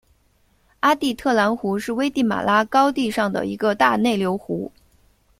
阿蒂特兰湖是危地马拉高地上的一个大内流湖。